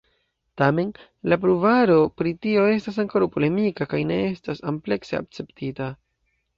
Tamen, la pruvaro pri tio estas ankoraŭ polemika kaj ne estas amplekse akceptita.